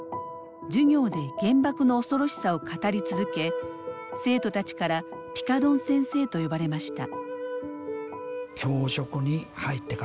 授業で原爆の恐ろしさを語り続け生徒たちからピカドン先生と呼ばれました。